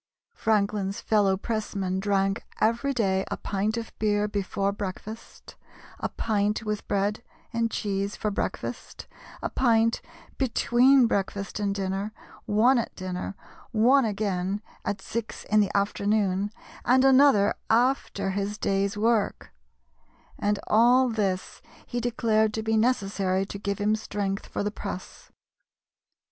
Franklin's fellow pressman drank every day a pint of beer before breakfast, a pint with bread and cheese for breakfast, a pint between breakfast and dinner, one at dinner, one again at six in the afternoon, and another after his day's work; and all this he declared to be necessary to give him strength for the press.